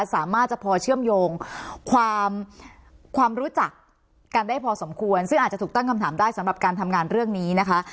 สามารถจะพอเชื่อมโยงความความรู้จักกันได้พอสมควรซึ่งอาจจะถูกตั้งคำถามได้สำหรับการทำงานเรื่องนี้นะคะ